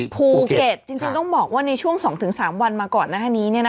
ภูเก็ตจริงต้องบอกว่าในช่วง๒๓วันมาก่อนหน้านี้